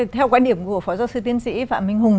theo quan điểm của phó giáo sư tiến sĩ phạm minh hùng